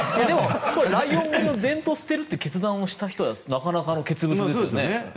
ライオン狩りの伝統を捨てる決断をした人はなかなかの傑物ですよね。